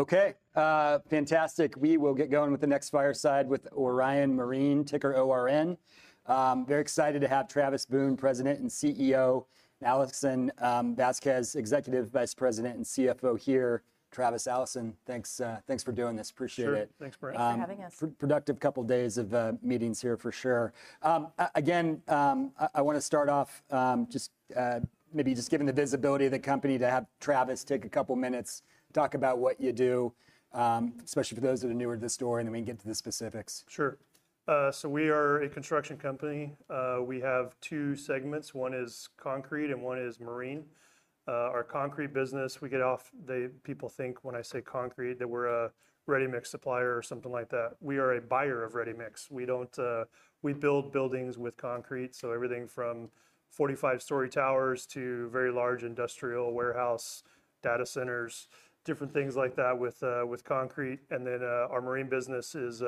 Okay, fantastic. We will get going with the next fireside with Orion Marine, ticker ORN. Very excited to have Travis Boone, President and CEO, and Alison Vasquez, Executive Vice President and CFO, here. Travis, Alison, thanks for doing this. Appreciate it. Sure. Thanks for having us. Productive couple of days of meetings here for sure. Again, I want to start off, just maybe given the visibility of the company to have Travis take a couple of minutes, talk about what you do, especially for those that are newer to the story, and then we can get to the specifics. Sure. So we are a construction company. We have two segments. One is concrete and one is marine. Our concrete business, we get that people think when I say concrete that we're a ready-mix supplier or something like that. We are a buyer of ready-mix. We build buildings with concrete. So everything from 45-story towers to very large industrial warehouse, data centers, different things like that with concrete. And then our marine business is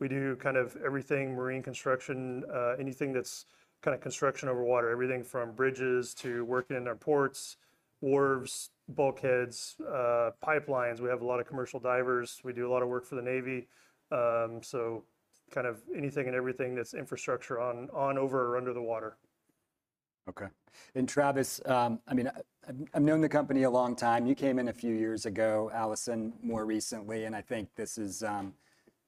we do kind of everything marine construction, anything that's kind of construction over water, everything from bridges to working in our ports, wharves, bulkheads, pipelines. We have a lot of commercial divers. We do a lot of work for the Navy. So kind of anything and everything that's infrastructure on over or under the water. Okay. And Travis, I mean, I've known the company a long time. You came in a few years ago, Alison, more recently. And I think this is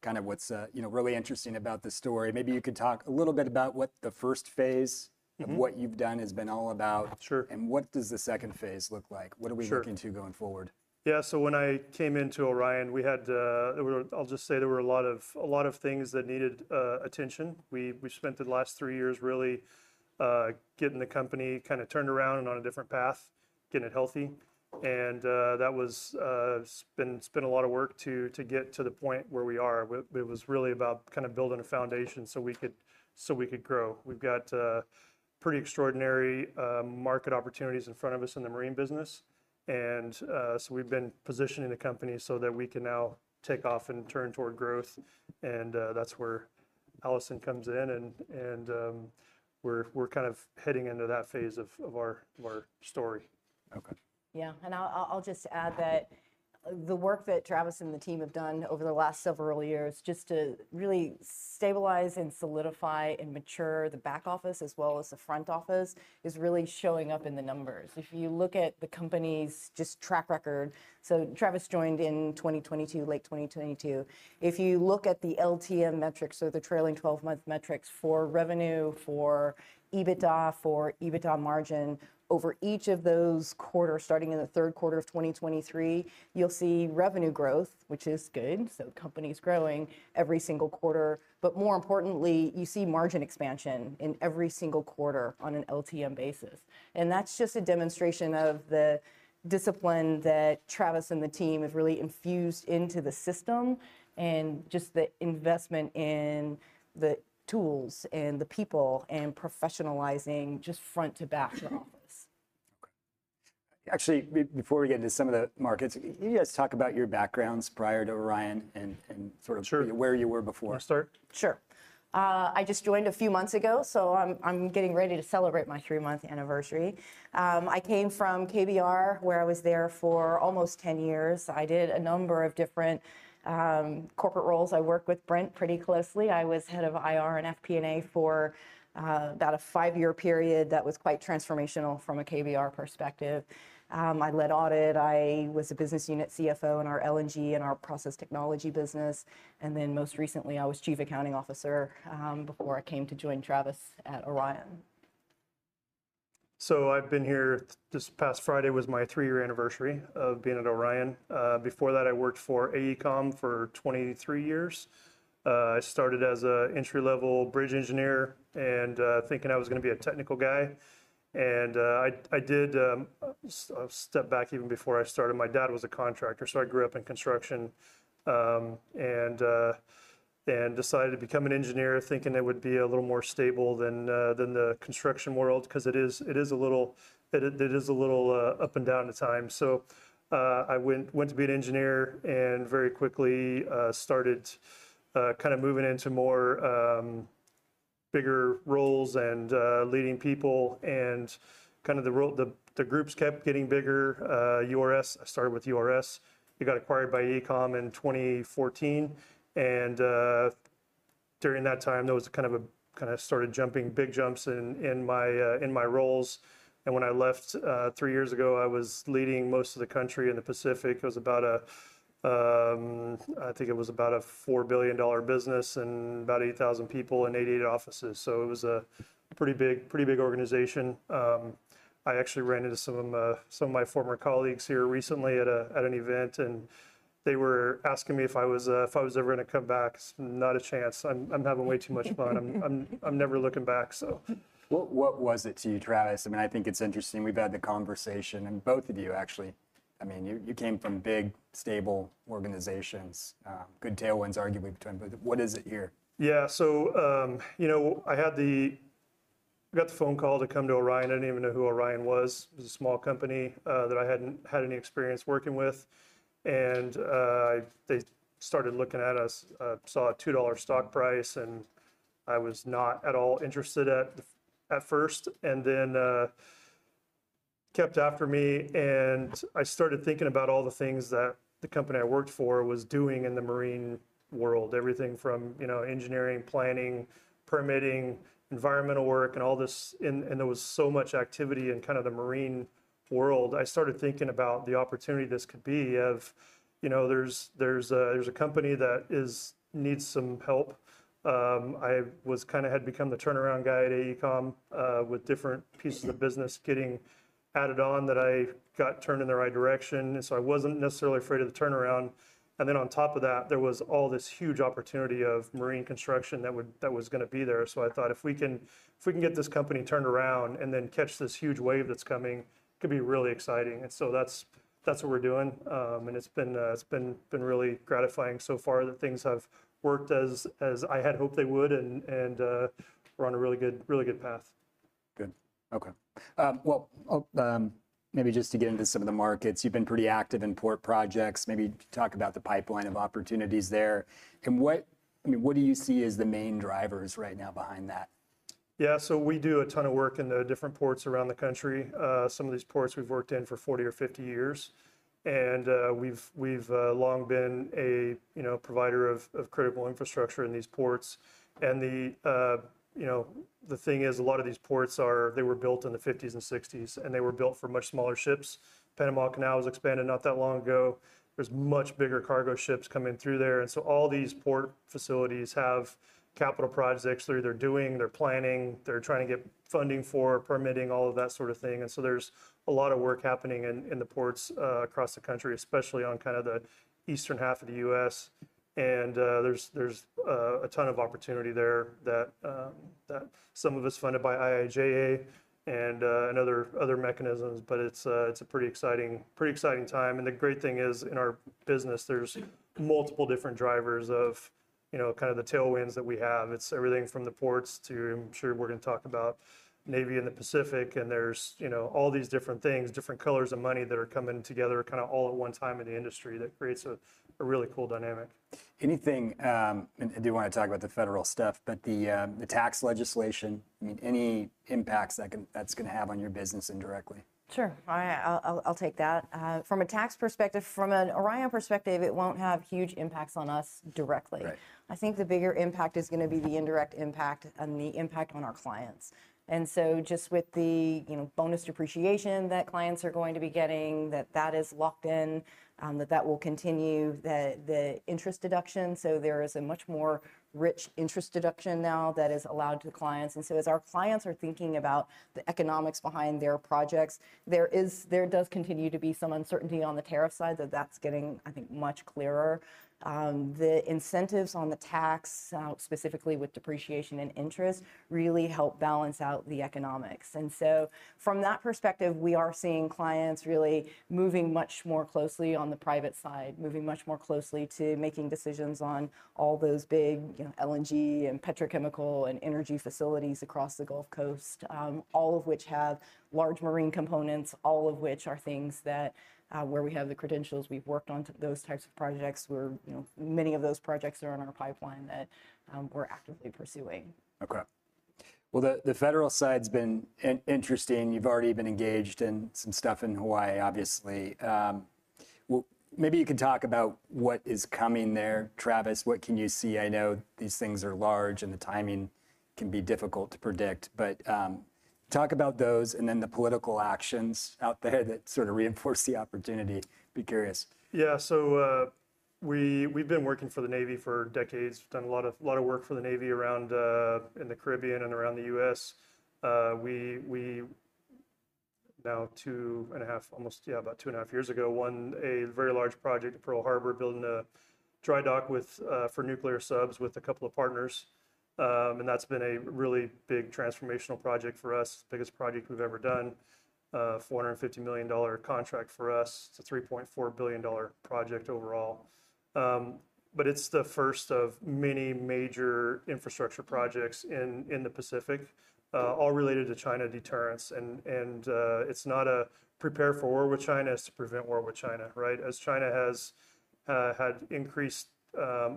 kind of what's really interesting about the story. Maybe you could talk a little bit about what the first phase of what you've done has been all about. Sure. What does the second phase look like? What are we looking to going forward? Yeah. So when I came into Orion, we had, I'll just say, there were a lot of things that needed attention. We spent the last three years really getting the company kind of turned around and on a different path, getting it healthy. And that has been a lot of work to get to the point where we are. It was really about kind of building a foundation so we could grow. We've got pretty extraordinary market opportunities in front of us in the marine business. And so we've been positioning the company so that we can now take off and turn toward growth. And that's where Alison comes in. And we're kind of heading into that phase of our story. Okay. Yeah. And I'll just add that the work that Travis and the team have done over the last several years just to really stabilize and solidify and mature the back office, as well as the front office, is really showing up in the numbers. If you look at the company's just track record, so Travis joined in 2022, late 2022. If you look at the LTM metrics, so the trailing 12-month metrics for revenue, for EBITDA, for EBITDA margin, over each of those quarters, starting in the third quarter of 2023, you'll see revenue growth, which is good. So the company is growing every single quarter. But more importantly, you see margin expansion in every single quarter on an LTM basis. And that's just a demonstration of the discipline that Travis and the team have really infused into the system and just the investment in the tools and the people and professionalizing just front to back to office. Okay. Actually, before we get into some of the markets, can you guys talk about your backgrounds prior to Orion and sort of where you were before? Sure. I just joined a few months ago, so I'm getting ready to celebrate my three-month anniversary. I came from KBR, where I was there for almost 10 years. I did a number of different corporate roles. I worked with Brent pretty closely. I was head of IR and FP&A for about a five-year period that was quite transformational from a KBR perspective. I led audit. I was a business unit CFO in our LNG and our process technology business. And then most recently, I was Chief Accounting Officer before I came to join Travis at Orion. So I've been here. This past Friday was my three-year anniversary of being at Orion. Before that, I worked for AECOM for 23 years. I started as an entry-level bridge engineer thinking I was going to be a technical guy and I did step back even before I started. My dad was a contractor, so I grew up in construction and decided to become an engineer thinking it would be a little more stable than the construction world because it is a little up and down at times. I went to be an engineer and very quickly started kind of moving into bigger roles and leading people, and kind of the groups kept getting bigger. I started with URS. It got acquired by AECOM in 2014, and during that time, I kind of started jumping big jumps in my roles. When I left three years ago, I was leading most of the company in the Pacific. I think it was about a $4 billion business and about 8,000 people in 88 offices, so it was a pretty big organization. I actually ran into some of my former colleagues here recently at an event, and they were asking me if I was ever going to come back. Not a chance. I'm having way too much fun. I'm never looking back, so. What was it to you, Travis? I mean, I think it's interesting. We've had the conversation, and both of you, actually. I mean, you came from big, stable organizations. Good tailwinds, arguably, to them. But what is it here? Yeah. So I got the phone call to come to Orion. I didn't even know who Orion was. It was a small company that I hadn't had any experience working with. And they started looking at us, saw a $2 stock price, and I was not at all interested at first. And then kept after me. And I started thinking about all the things that the company I worked for was doing in the marine world, everything from engineering, planning, permitting, environmental work, and all this. And there was so much activity in kind of the marine world. I started thinking about the opportunity this could be if there's a company that needs some help. I kind of had become the turnaround guy at AECOM, with different pieces of business getting added on that I got turned in the right direction. And so I wasn't necessarily afraid of the turnaround. And then on top of that, there was all this huge opportunity of marine construction that was going to be there. So I thought, if we can get this company turned around and then catch this huge wave that's coming, it could be really exciting. And so that's what we're doing. And it's been really gratifying so far that things have worked as I had hoped they would and we're on a really good path. Good. Okay. Well, maybe just to get into some of the markets, you've been pretty active in port projects. Maybe talk about the pipeline of opportunities there. I mean, what do you see as the main drivers right now behind that? Yeah. So we do a ton of work in the different ports around the country. Some of these ports we've worked in for 40 or 50 years. And we've long been a provider of critical infrastructure in these ports. And the thing is, a lot of these ports, they were built in the 1950s and 1960s, and they were built for much smaller ships. Panama Canal was expanded not that long ago. There's much bigger cargo ships coming through there. And so all these port facilities have capital projects that they're doing. They're planning. They're trying to get funding for permitting, all of that sort of thing. And so there's a lot of work happening in the ports across the country, especially on kind of the eastern half of the U.S. And there's a ton of opportunity there that some of it's funded by IIJA and other mechanisms. But it's a pretty exciting time. And the great thing is, in our business, there's multiple different drivers of kind of the tailwinds that we have. It's everything from the ports to I'm sure we're going to talk about Navy in the Pacific. And there's all these different things, different colors of money that are coming together kind of all at one time in the industry that creates a really cool dynamic. Anything, and I do want to talk about the federal stuff, but the tax legislation, I mean, any impacts that's going to have on your business indirectly? Sure. I'll take that. From a tax perspective, from an Orion perspective, it won't have huge impacts on us directly. I think the bigger impact is going to be the indirect impact and the impact on our clients. And so just with the bonus depreciation that clients are going to be getting, that is locked in, that will continue, the interest deduction. So there is a much more rich interest deduction now that is allowed to the clients. And so as our clients are thinking about the economics behind their projects, there does continue to be some uncertainty on the tariff side that's getting, I think, much clearer. The incentives on the tax, specifically with depreciation and interest, really help balance out the economics. From that perspective, we are seeing clients really moving much more closely on the private side, moving much more closely to making decisions on all those big LNG and petrochemical and energy facilities across the Gulf Coast, all of which have large marine components, all of which are things where we have the credentials. We've worked on those types of projects. Many of those projects are on our pipeline that we're actively pursuing. Okay. Well, the federal side's been interesting. You've already been engaged in some stuff in Hawaii, obviously. Maybe you can talk about what is coming there, Travis. What can you see? I know these things are large, and the timing can be difficult to predict, but talk about those and then the political actions out there that sort of reinforce the opportunity. Be curious. Yeah. So we've been working for the Navy for decades. We've done a lot of work for the Navy around in the Caribbean and around the U.S. We now, two and a half, almost, yeah, about two and a half years ago, won a very large project at Pearl Harbor, building a dry dock for nuclear subs with a couple of partners. And that's been a really big transformational project for us, the biggest project we've ever done, a $450 million contract for us. It's a $3.4 billion project overall. But it's the first of many major infrastructure projects in the Pacific, all related to China deterrence. And it's not a prepare for war with China; it's to prevent war with China, right? As China has had increased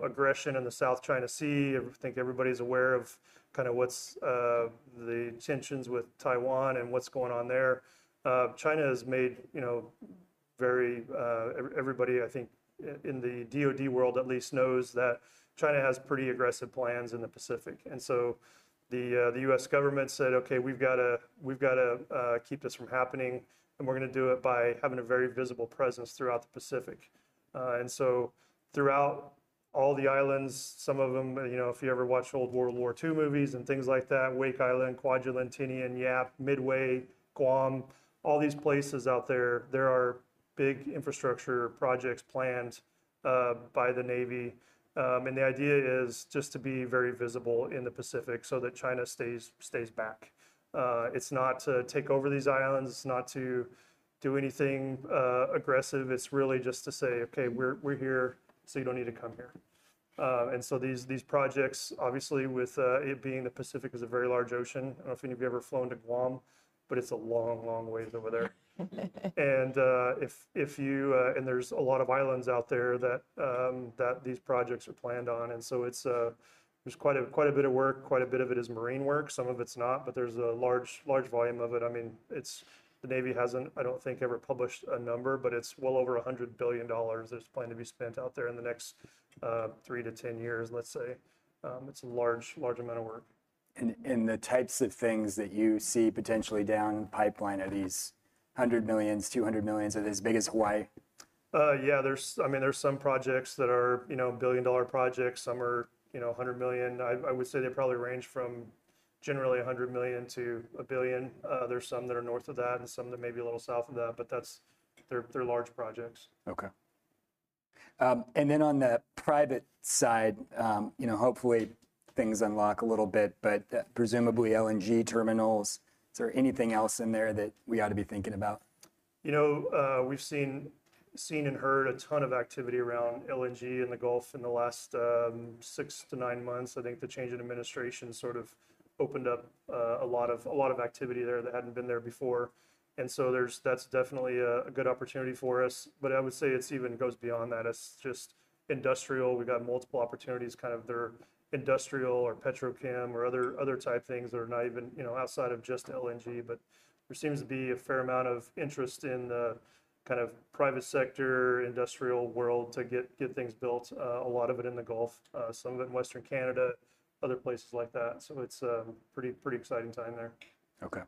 aggression in the South China Sea, I think everybody's aware of kind of what's the tensions with Taiwan and what's going on there. China has made it very clear that everybody, I think, in the DoD world at least, knows that China has pretty aggressive plans in the Pacific. So the U.S. government said, "Okay, we've got to keep this from happening, and we're going to do it by having a very visible presence throughout the Pacific." So throughout all the islands, some of them, if you ever watched World War II movies and things like that, Wake Island, Kwajalein, Tinian, Yap, Midway, Guam, all these places out there, there are big infrastructure projects planned by the Navy. The idea is just to be very visible in the Pacific so that China stays back. It's not to take over these islands. It's not to do anything aggressive. It's really just to say, "Okay, we're here, so you don't need to come here." And so these projects, obviously, with it being the Pacific, is a very large ocean. I don't know if any of you have ever flown to Guam, but it's a long, long ways over there. And there's a lot of islands out there that these projects are planned on. And so there's quite a bit of work. Quite a bit of it is marine work. Some of it's not, but there's a large volume of it. I mean, the Navy hasn't, I don't think, ever published a number, but it's well over $100 billion that's planned to be spent out there in the next 3-10 years, let's say. It's a large amount of work. The types of things that you see potentially down pipeline, are these $100 million, $200 million, are they as big as Hawaii? Yeah. I mean, there's some projects that are $1 billion-dollar projects. Some are $100 million. I would say they probably range from generally $100 million-$1 billion. There's some that are north of that and some that may be a little south of that, but they're large projects. Okay, and then on the private side, hopefully, things unlock a little bit, but presumably LNG terminals. Is there anything else in there that we ought to be thinking about? You know, we've seen and heard a ton of activity around LNG in the Gulf in the last six to nine months. I think the change in administration sort of opened up a lot of activity there that hadn't been there before, and so that's definitely a good opportunity for us, but I would say it even goes beyond that. It's just industrial. We've got multiple opportunities kind of there, industrial or petrochem or other type things that are not even outside of just LNG, but there seems to be a fair amount of interest in the kind of private sector, industrial world to get things built, a lot of it in the Gulf, some of it in Western Canada, other places like that, so it's a pretty exciting time there. Okay.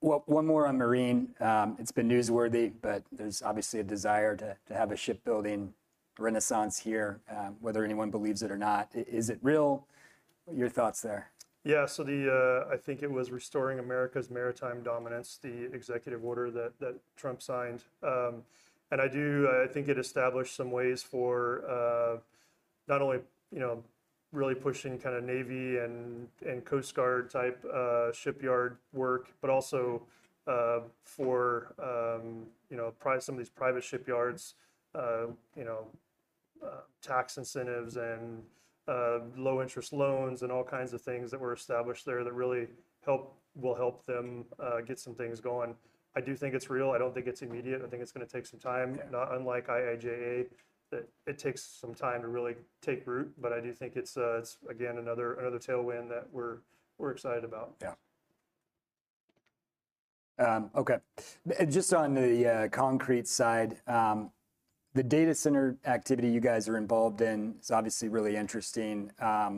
Well, one more on marine. It's been newsworthy, but there's obviously a desire to have a shipbuilding renaissance here, whether anyone believes it or not. Is it real? Your thoughts there. Yeah, so I think it was "Restoring America's Maritime Dominance," the executive order that Trump signed, and I think it established some ways for not only really pushing kind of Navy and Coast Guard type shipyard work, but also for some of these private shipyards, tax incentives and low-interest loans and all kinds of things that were established there that really will help them get some things going. I do think it's real. I don't think it's immediate. I think it's going to take some time, not unlike IIJA. It takes some time to really take root, but I do think it's, again, another tailwind that we're excited about. Yeah. Okay. Just on the concrete side, the data center activity you guys are involved in is obviously really interesting. I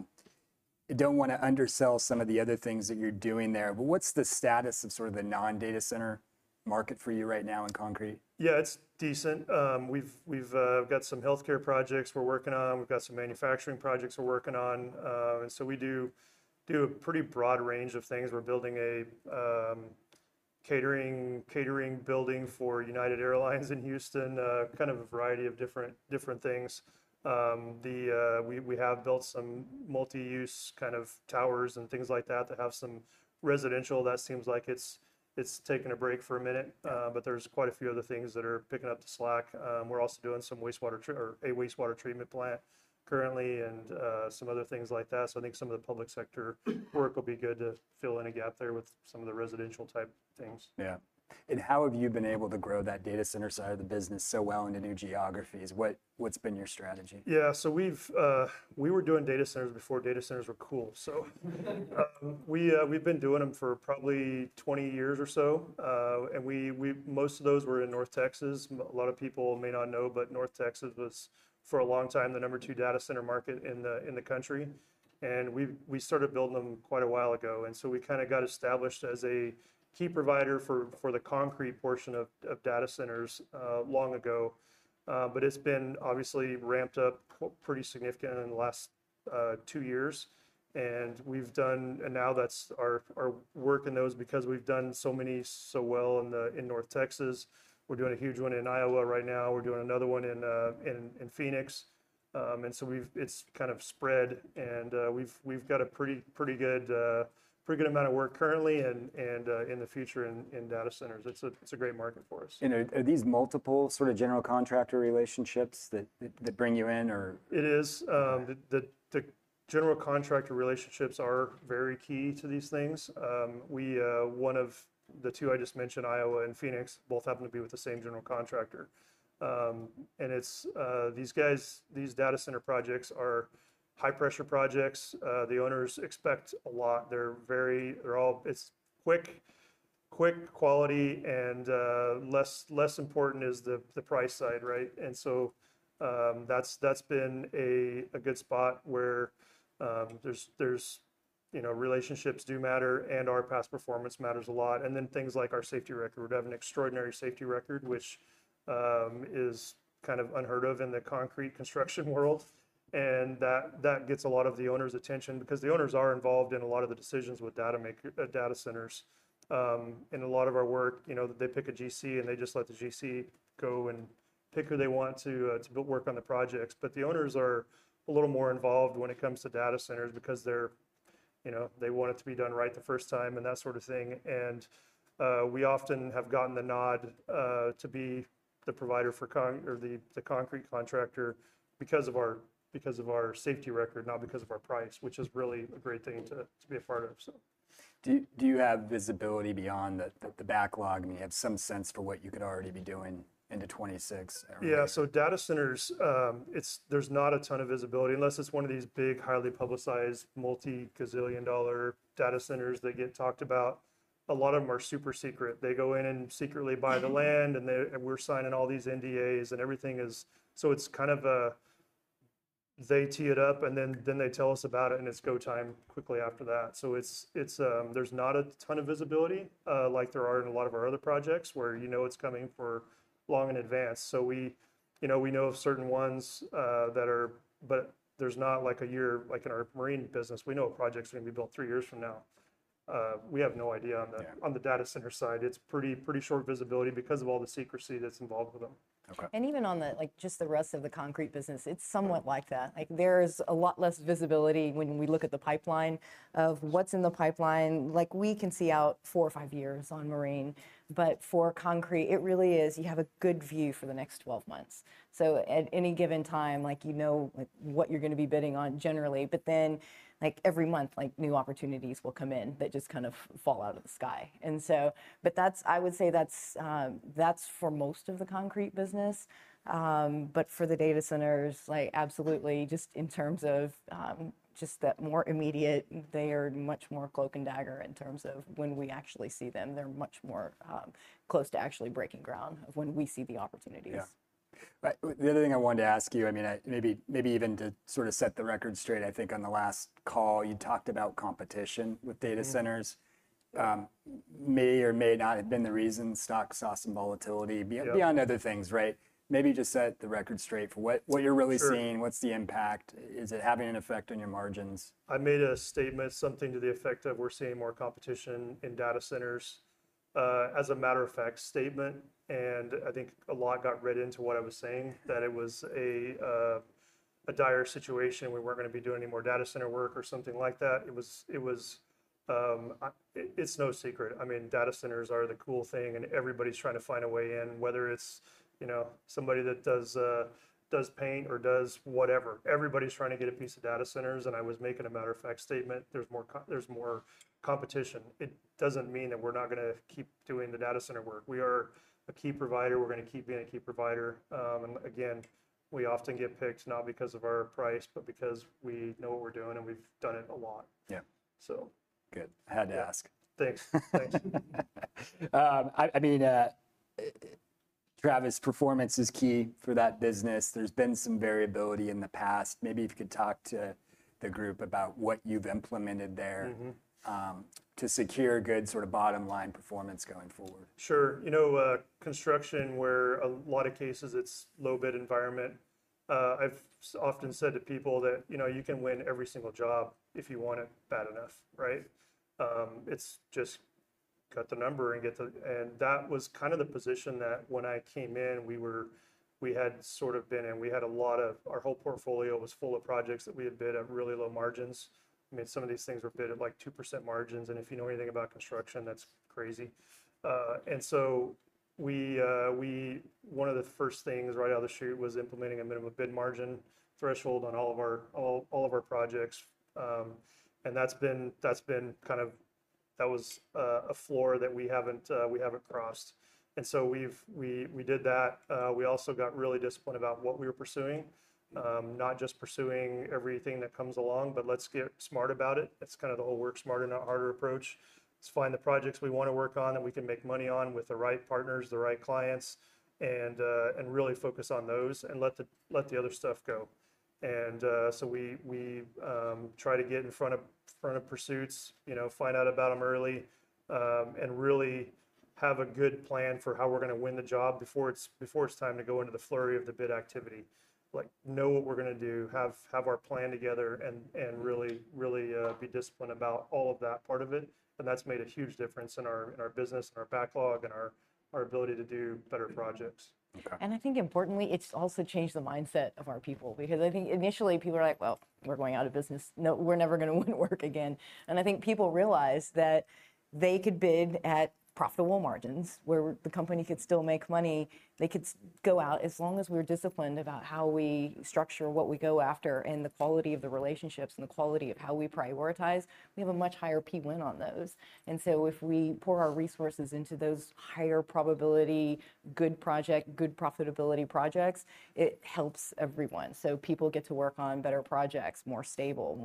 don't want to undersell some of the other things that you're doing there, but what's the status of sort of the non-data center market for you right now in concrete? Yeah, it's decent. We've got some healthcare projects we're working on. We've got some manufacturing projects we're working on. And so we do a pretty broad range of things. We're building a catering building for United Airlines in Houston, kind of a variety of different things. We have built some multi-use kind of towers and things like that that have some residential. That seems like it's taken a break for a minute, but there's quite a few other things that are picking up the slack. We're also doing a wastewater treatment plant currently, and some other things like that. So I think some of the public sector work will be good to fill in a gap there with some of the residential-type things. Yeah, and how have you been able to grow that data center side of the business so well into new geographies? What's been your strategy? Yeah. So we were doing data centers before data centers were cool. So we've been doing them for probably 20 years or so. And most of those were in North Texas. A lot of people may not know, but North Texas was, for a long time, the number two data center market in the country. And we started building them quite a while ago. And so we kind of got established as a key provider for the concrete portion of data centers long ago. But it's been obviously ramped up pretty significantly in the last two years. And now that's our work in those because we've done so many so well in North Texas. We're doing a huge one in Iowa right now. We're doing another one in Phoenix. And so it's kind of spread. We've got a pretty good amount of work currently and in the future in data centers. It's a great market for us. Are these multiple sort of general contractor relationships that bring you in, or? It is. The general contractor relationships are very key to these things. One of the two I just mentioned, Iowa and Phoenix, both happen to be with the same general contractor. And these guys, these data center projects are high-pressure projects. The owners expect a lot. It's quick, quick, quality, and less important is the price side, right? And so that's been a good spot where relationships do matter and our past performance matters a lot. And then things like our safety record. We have an extraordinary safety record, which is kind of unheard of in the concrete construction world. And that gets a lot of the owners' attention because the owners are involved in a lot of the decisions with data centers. In a lot of our work, they pick a GC and they just let the GC go and pick who they want to work on the projects. But the owners are a little more involved when it comes to data centers because they want it to be done right the first time and that sort of thing. And we often have gotten the nod to be the provider for the concrete contractor because of our safety record, not because of our price, which is really a great thing to be a part of. Do you have visibility beyond the backlog? I mean, you have some sense for what you could already be doing into 2026? Yeah. So data centers, there's not a ton of visibility unless it's one of these big, highly publicized, multi-gazillion-dollar data centers that get talked about. A lot of them are super secret. They go in and secretly buy the land, and we're signing all these NDAs and everything is. So it's kind of they tee it up, and then they tell us about it, and it's go time quickly after that. So there's not a ton of visibility like there are in a lot of our other projects where you know it's coming for long in advance. So we know of certain ones that are, but there's not like a year like in our marine business. We know a project's going to be built three years from now. We have no idea on the data center side. It's pretty short visibility because of all the secrecy that's involved with them. Okay. Even on just the rest of the concrete business, it's somewhat like that. There's a lot less visibility when we look at the pipeline of what's in the pipeline. We can see out four or five years on marine, but for concrete, it really is you have a good view for the next 12 months. So at any given time, you know what you're going to be bidding on generally, but then every month, new opportunities will come in that just kind of fall out of the sky. But I would say that's for most of the concrete business. But for the data centers, absolutely, just in terms of just that more immediate, they are much more cloak and dagger in terms of when we actually see them. They're much more close to actually breaking ground of when we see the opportunities. Yeah. The other thing I wanted to ask you, I mean, maybe even to sort of set the record straight, I think on the last call, you talked about competition with data centers. May or may not have been the reason stock saw some volatility beyond other things, right? Maybe just set the record straight for what you're really seeing. What's the impact? Is it having an effect on your margins? I made a statement, something to the effect of we're seeing more competition in data centers as a matter-of-fact statement, and I think a lot got read into what I was saying, that it was a dire situation. We weren't going to be doing any more data center work or something like that. It's no secret. I mean, data centers are the cool thing, and everybody's trying to find a way in, whether it's somebody that does paint or does whatever. Everybody's trying to get a piece of data centers, and I was making a matter-of-fact statement. There's more competition. It doesn't mean that we're not going to keep doing the data center work. We are a key provider. We're going to keep being a key provider. Again, we often get picked not because of our price, but because we know what we're doing, and we've done it a lot, so. Yeah. Good. I had to ask. Thanks. Thanks. I mean, Travis, performance is key for that business. There's been some variability in the past. Maybe if you could talk to the group about what you've implemented there to secure good sort of bottom-line performance going forward. Sure. You know, construction where a lot of cases it's low-bid environment. I've often said to people that you can win every single job if you want it bad enough, right? It's just cut the number and that was kind of the position that when I came in, we had sort of been in. We had a lot of our whole portfolio was full of projects that we had bid at really low margins. I mean, some of these things were bid at like 2% margins, and if you know anything about construction, that's crazy, and so one of the first things right out of the chute was implementing a minimum bid margin threshold on all of our projects, and that's been kind of that was a floor that we haven't crossed, and so we did that. We also got really disciplined about what we were pursuing, not just pursuing everything that comes along, but let's get smart about it. It's kind of the whole work smarter, not harder approach. Let's find the projects we want to work on that we can make money on with the right partners, the right clients, and really focus on those and let the other stuff go. And so we try to get in front of pursuits, find out about them early, and really have a good plan for how we're going to win the job before it's time to go into the flurry of the bid activity. Know what we're going to do, have our plan together, and really be disciplined about all of that part of it. And that's made a huge difference in our business, in our backlog, in our ability to do better projects. Okay. And I think, importantly, it's also changed the mindset of our people because I think initially people were like, "Well, we're going out of business. We're never going to win work again." And I think people realized that they could bid at profitable margins where the company could still make money. They could go out. As long as we're disciplined about how we structure what we go after and the quality of the relationships and the quality of how we prioritize, we have a much higher PWin on those. And so if we pour our resources into those higher probability, good project, good profitability projects, it helps everyone. So people get to work on better projects, more stable,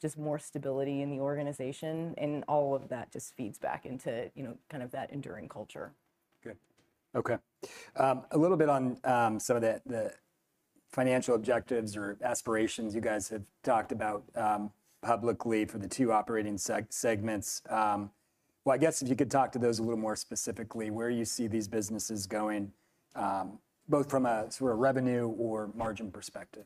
just more stability in the organization. And all of that just feeds back into kind of that enduring culture. Good. Okay. A little bit on some of the financial objectives or aspirations you guys have talked about publicly for the two operating segments. Well, I guess if you could talk to those a little more specifically, where you see these businesses going, both from a sort of revenue or margin perspective.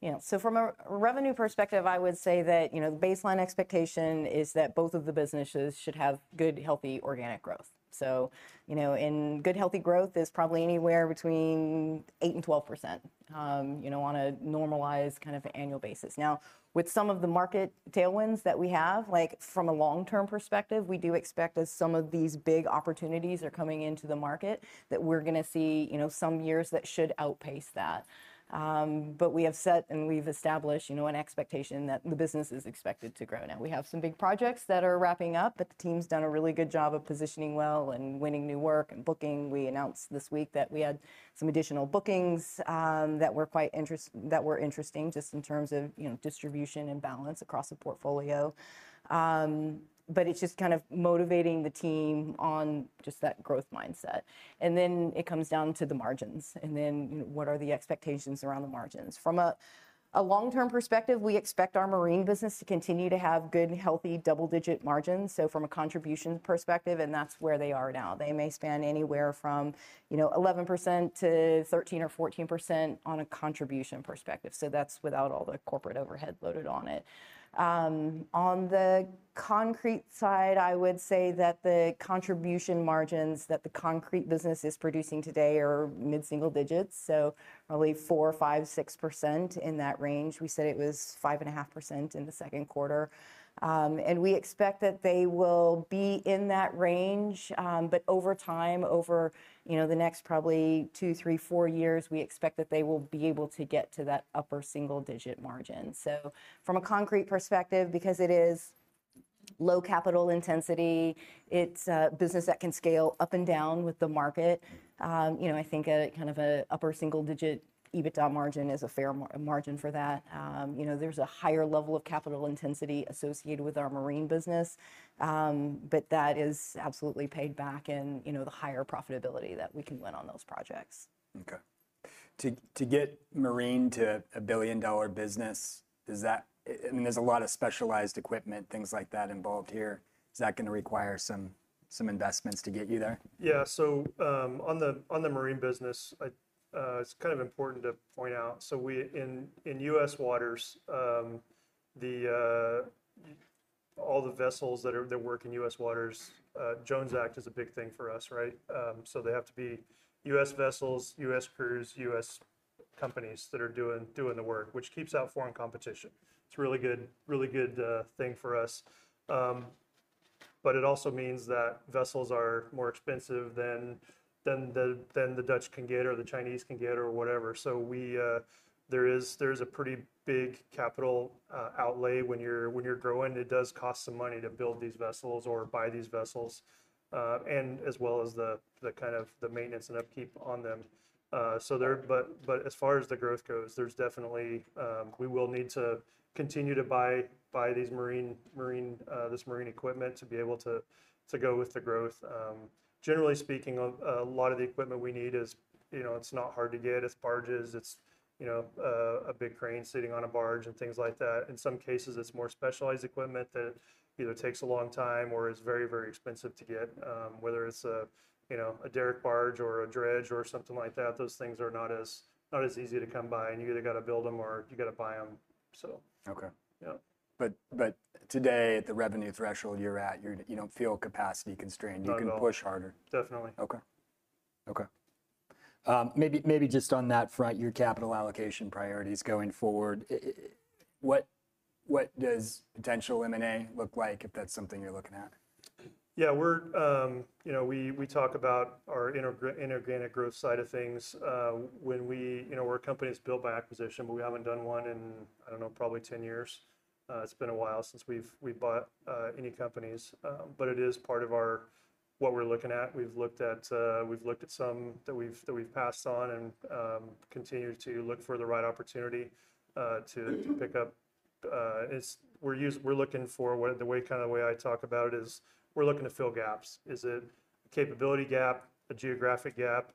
Yeah. So from a revenue perspective, I would say that the baseline expectation is that both of the businesses should have good, healthy, organic growth. So good, healthy growth is probably anywhere between 8% and 12% on a normalized kind of annual basis. Now, with some of the market tailwinds that we have, from a long-term perspective, we do expect as some of these big opportunities are coming into the market, that we're going to see some years that should outpace that. But we have set and we've established an expectation that the business is expected to grow. Now, we have some big projects that are wrapping up, but the team's done a really good job of positioning well and winning new work and booking. We announced this week that we had some additional bookings that were interesting just in terms of distribution and balance across the portfolio. But it's just kind of motivating the team on just that growth mindset. And then it comes down to the margins. And then what are the expectations around the margins? From a long-term perspective, we expect our marine business to continue to have good, healthy, double-digit margins. So from a contribution perspective, and that's where they are now. They may span anywhere from 11% to 13% or 14% on a contribution perspective. So that's without all the corporate overhead loaded on it. On the concrete side, I would say that the contribution margins that the concrete business is producing today are mid-single digits, so probably 4%, 5%, 6% in that range. We said it was 5.5% in the second quarter. We expect that they will be in that range, but over time, over the next probably two, three, four years, we expect that they will be able to get to that upper single-digit margin. So, from a concrete perspective, because it is low capital intensity, it's a business that can scale up and down with the market. I think kind of an upper single-digit EBITDA margin is a fair margin for that. There's a higher level of capital intensity associated with our marine business, but that is absolutely paid back in the higher profitability that we can win on those projects. Okay. To get Marine to a billion-dollar business, I mean, there's a lot of specialized equipment, things like that involved here. Is that going to require some investments to get you there? Yeah. So, on the marine business, it's kind of important to point out. So in U.S. waters, all the vessels that work in U.S. waters, Jones Act is a big thing for us, right? So they have to be U.S. vessels, U.S. crews, U.S. companies that are doing the work, which keeps out foreign competition. It's a really good thing for us. But it also means that vessels are more expensive than the Dutch can get or the Chinese can get or whatever. So there is a pretty big capital outlay when you're growing. It does cost some money to build these vessels or buy these vessels, and as well as the kind of maintenance and upkeep on them. But as far as the growth goes, there's definitely. We will need to continue to buy this marine equipment to be able to go with the growth. Generally speaking, a lot of the equipment we need is. It's not hard to get. It's barges. It's a big crane sitting on a barge and things like that. In some cases, it's more specialized equipment that either takes a long time or is very, very expensive to get. Whether it's a derrick barge or a dredge or something like that, those things are not as easy to come by. And you either got to build them or you got to buy them, so. Okay, but today, at the revenue threshold you're at, you don't feel capacity constrained. You can push harder. Definitely. Okay. Maybe just on that front, your capital allocation priorities going forward, what does potential M&A look like if that's something you're looking at? Yeah. We talk about our inorganic growth side of things. When we're a company that's built by acquisition, but we haven't done one in, I don't know, probably 10 years. It's been a while since we've bought any companies. But it is part of what we're looking at. We've looked at some that we've passed on and continue to look for the right opportunity to pick up. We're looking for the way kind of the way I talk about it is we're looking to fill gaps. Is it a capability gap, a geographic gap,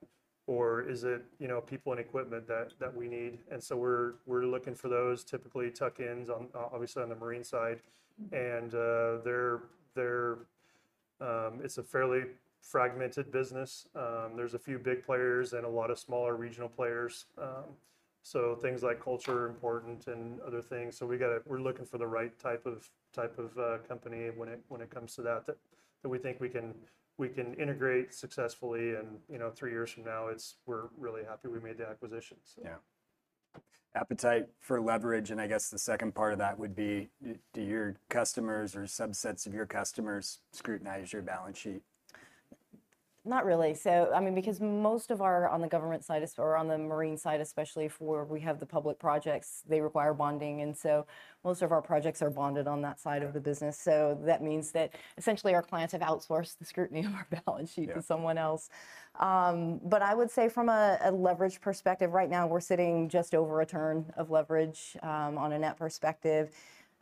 or is it people and equipment that we need? And so we're looking for those, typically tuck-ins, obviously on the marine side. And it's a fairly fragmented business. There's a few big players and a lot of smaller regional players. So things like culture are important, and other things. So we're looking for the right type of company when it comes to that we think we can integrate successfully. And three years from now, we're really happy we made the acquisition, so. Yeah. Appetite for leverage. And I guess the second part of that would be, do your customers or subsets of your customers scrutinize your balance sheet? Not really. So I mean, because most of our, on the government side or on the marine side, especially the public projects we have, they require bonding. And so most of our projects are bonded on that side of the business. So that means that essentially our clients have outsourced the scrutiny of our balance sheet to someone else. But I would say from a leverage perspective, right now we're sitting just over a turn of leverage on a net perspective.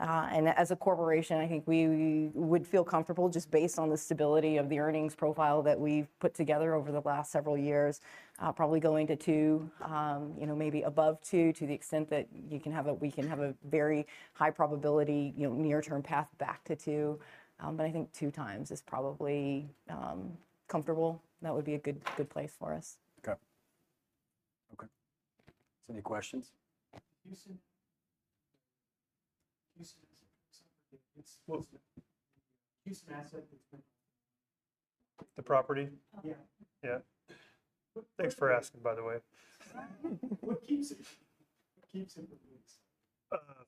And as a corporation, I think we would feel comfortable just based on the stability of the earnings profile that we've put together over the last several years, probably going to two, maybe above two to the extent that we can have a very high probability near-term path back to two. But I think two times is probably comfortable. That would be a good place for us. Okay. Okay. Any questions? The property? Yeah. Thanks for asking, by the way. What keeps it from being sold?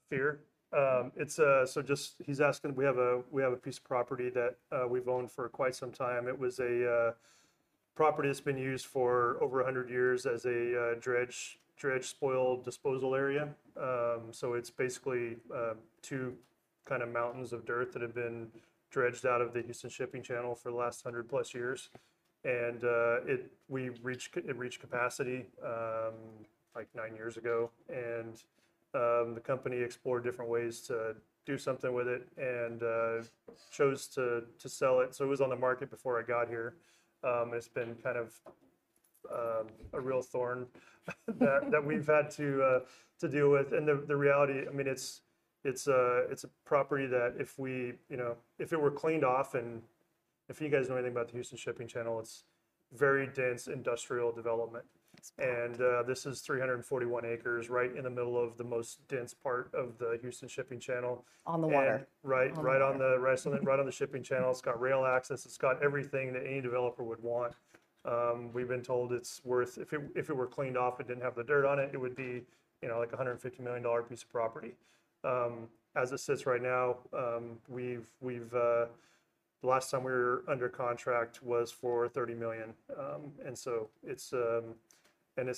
Fear. So just he's asking. We have a piece of property that we've owned for quite some time. It was a property that's been used for over 100 years as a dredge spoil disposal area. So it's basically two kind of mountains of dirt that have been dredged out of the Houston Ship Channel for the last 100-plus years. And it reached capacity like nine years ago. And the company explored different ways to do something with it and chose to sell it. So it was on the market before I got here. It's been kind of a real thorn that we've had to deal with. And the reality, I mean, it's a property that if we, if it were cleaned off, and if you guys know anything about the Houston Ship Channel, it's very dense industrial development. This is 341 acres right in the middle of the most dense part of the Houston Ship Channel. On the water. Right. Right on the rest of it, right on the Ship Channel. It's got rail access. It's got everything that any developer would want. We've been told it's worth, if it were cleaned off, it didn't have the dirt on it, it would be like a $150 million piece of property. As it sits right now, the last time we were under contract was for $30 million, and it's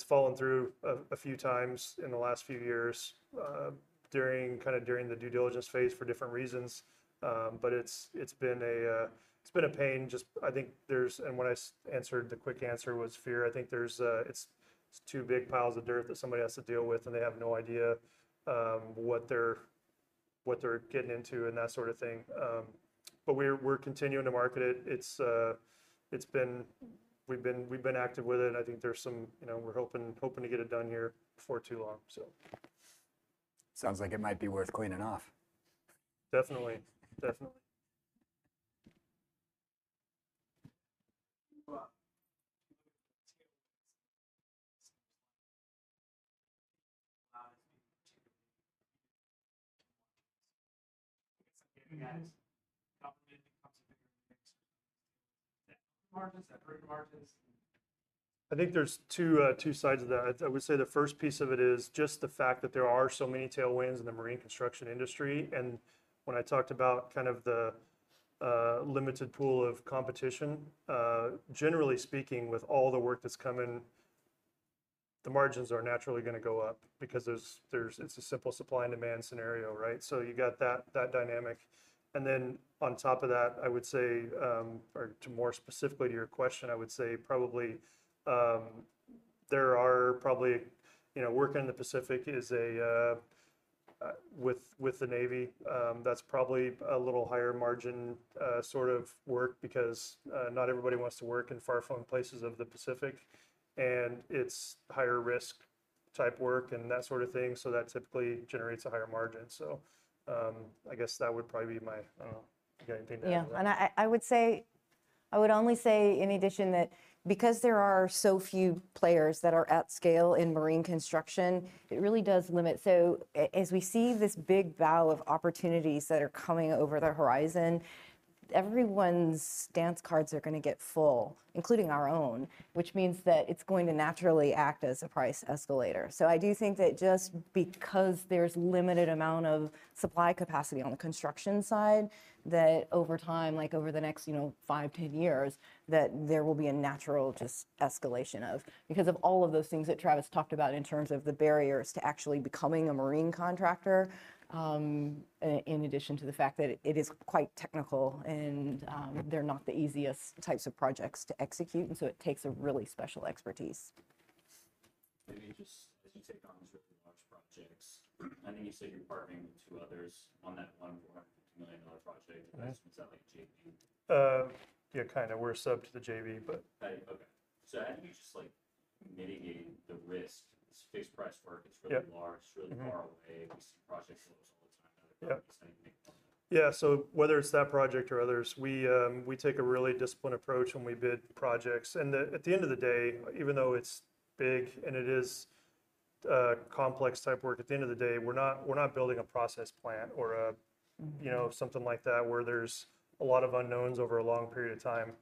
fallen through a few times in the last few years, kind of during the due diligence phase for different reasons, but it's been a pain. Just, I think there's, and when I answered, the quick answer was fear. I think it's two big piles of dirt that somebody has to deal with, and they have no idea what they're getting into and that sort of thing, but we're continuing to market it. We've been active with it. And I think there's some, we're hoping to get it done here before too long, so. Sounds like it might be worth cleaning off. Definitely. Definitely. I guess I'm getting at government becomes a bigger mix of those tailwinds and margins, that bring margins. I think there's two sides of that. I would say the first piece of it is just the fact that there are so many tailwinds in the marine construction industry. And when I talked about kind of the limited pool of competition, generally speaking, with all the work that's coming, the margins are naturally going to go up because it's a simple supply and demand scenario, right? So you got that dynamic. And then on top of that, I would say, or more specifically to your question, I would say probably the work in the Pacific is with the Navy. That's probably a little higher margin sort of work because not everybody wants to work in far-flung places of the Pacific. And it's higher risk type work and that sort of thing. So that typically generates a higher margin. So I guess that would probably be my. I don't know. Yeah. I would say, I would only say in addition that because there are so few players that are at scale in marine construction, it really does limit. So as we see this big bow wave of opportunities that are coming over the horizon, everyone's dance cards are going to get full, including our own, which means that it's going to naturally act as a price escalator. So I do think that just because there's a limited amount of supply capacity on the construction side, that over time, like over the next five, 10 years, that there will be a natural just escalation of because of all of those things that Travis talked about in terms of the barriers to actually becoming a marine contractor, in addition to the fact that it is quite technical and they're not the easiest types of projects to execute. And so it takes a really special expertise. Maybe just as you take on these really large projects, I think you said you're partnering with two others on that $150 million project. Is that like JV? Yeah, kind of. We're subbed to the JV, but. Right. Okay. So how do you just mitigate the risk? It's fixed price work. It's really large. It's really far away. We see projects close all the time. Yeah. So whether it's that project or others, we take a really disciplined approach when we bid projects. And at the end of the day, even though it's big and it is complex type work, at the end of the day, we're not building a process plant or something like that where there's a lot of unknowns over a long period of time.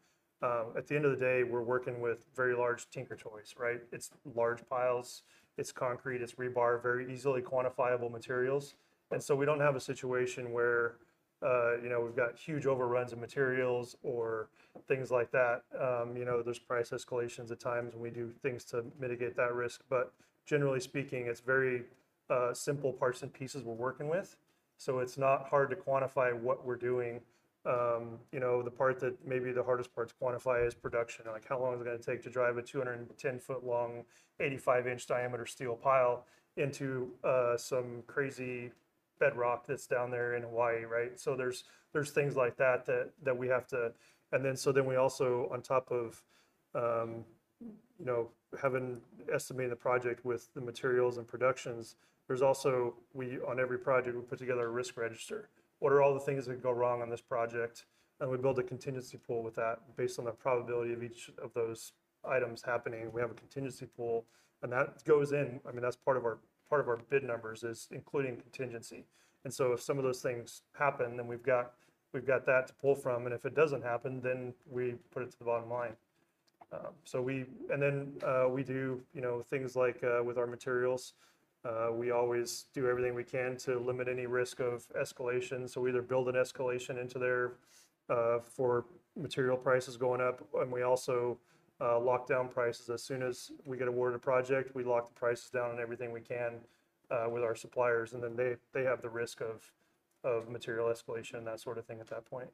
At the end of the day, we're working with very large tinker toys, right? It's large piles. It's concrete. It's rebar, very easily quantifiable materials. And so we don't have a situation where we've got huge overruns of materials or things like that. There's price escalations at times when we do things to mitigate that risk. But generally speaking, it's very simple parts and pieces we're working with. So it's not hard to quantify what we're doing. The part that maybe the hardest part to quantify is production. Like, how long is it going to take to drive a 210-foot-long, 85-inch-diameter steel pile into some crazy bedrock that's down there in Hawaii, right? So there's things like that that we have to. And then, so then we also, on top of having estimated the project with the materials and productions, there's also on every project, we put together a risk register. What are all the things that could go wrong on this project? And we build a contingency pool with that based on the probability of each of those items happening. We have a contingency pool. And that goes in. I mean, that's part of our bid numbers is including contingency. And so if some of those things happen, then we've got that to pull from. And if it doesn't happen, then we put it to the bottom line. And then we do things like with our materials. We always do everything we can to limit any risk of escalation. So we either build an escalation into there for material prices going up. And we also lock down prices. As soon as we get awarded a project, we lock the prices down on everything we can with our suppliers. And then they have the risk of material escalation and that sort of thing at that point.